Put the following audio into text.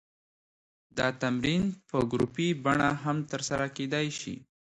دا تمرین په ګروپي بڼه هم ترسره کېدی شي.